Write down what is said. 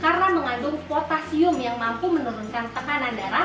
karena mengandung potasium yang mampu menurunkan tekanan darah